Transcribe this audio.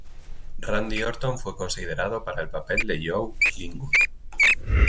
Randy Orton fue considerado para el papel de Joe Linwood.